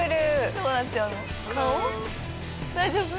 顔大丈夫？